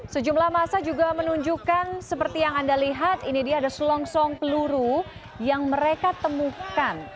sejumlah masa juga menunjukkan seperti yang anda lihat ini dia ada selongsong peluru yang mereka temukan